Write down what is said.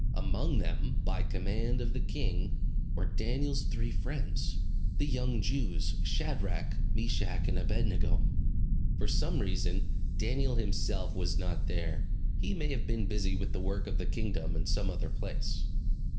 Among them, by command of the king, were Daniel's three friends, the young Jews, Shadrach, Meshach, and Abed nego. For some reason, Daniel himself was not there. He may have been busy with the work of the kingdom in some other place.